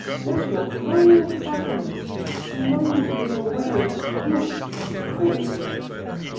There's your whole happiness smouldering away, look! Quick!"